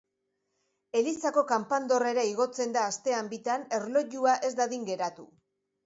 Elizako kanpandorrera igotzen da astean bitan erlojua ez dadin geratu.